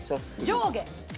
上下？